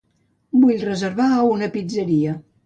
Vull reservar a una pizzeria.